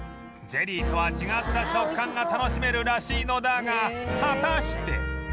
ゼリーとは違った食感が楽しめるらしいのだが果たして